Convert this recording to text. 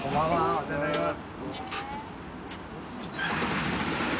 お世話になります。